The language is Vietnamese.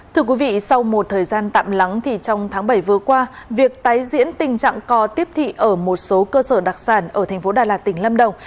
thưa quý vị sau một thời gian tạm lắng thì trong tháng bảy vừa qua việc tái diễn tình trạng co tiếp thị ở một số cơ sở đặc sản ở thành phố đà lạt tỉnh lâm đồng